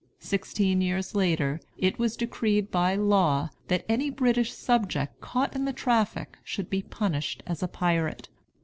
Sixteen years later, it was decreed by law that any British subject caught in the traffic should be punished as a pirate.